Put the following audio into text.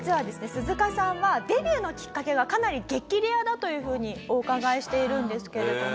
鈴鹿さんはデビューのきっかけがかなり激レアだというふうにお伺いしているんですけれども。